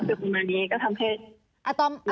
คือกลุ่มมานี้ก็ทำให้